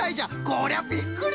こりゃびっくり！